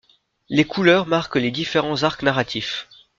Les couleurs marquent les différents arcs narratifs.